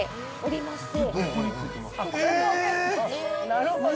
◆なるほど。